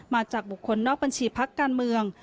มาจากบุคคลนอกบัญชีพักการเมือง